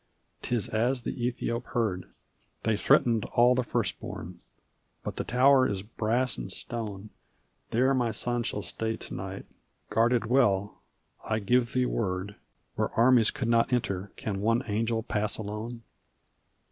'Tis as the Ethiope heard. They threatened all the first born; but the tower is brass and stone; There my son shall stay to night, guarded well, I give thee word. Where armies could not enter can one angel pass alone?